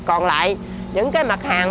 còn lại những cái mặt hàng